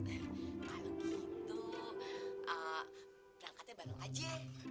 kalau gitu berangkatnya balong aja